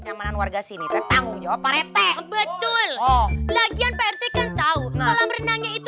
keamanan warga sini tanggung jawab retek betul lagian pertekan tahu kalau berenangnya itu